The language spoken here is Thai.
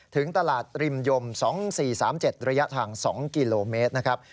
ถึงตลาดริมยม๒๔๓๗ระยะทาง๒กิโลเมตรนะครับ